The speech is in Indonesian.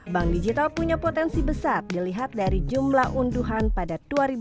bank digital punya potensi besar dilihat dari jumlah unduhan pada dua ribu dua puluh